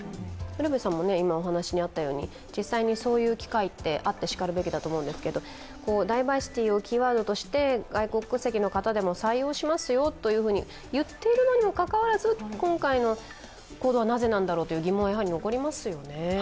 ウルヴェさんも実際にそういう機会ってあってしかるべきだと思うんですがダイバーシティをキーワードとして外国籍の方でも採用しますよと言っているにもかかわらず、今回の行動はなぜなんだろうという疑問は残りますよね。